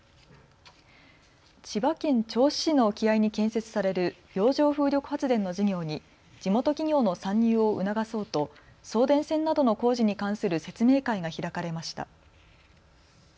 千葉県銚子市の沖合に建設される洋上風力発電の事業に地元企業の参入を促そうと送電線などの工事に関する説明会が開かれました。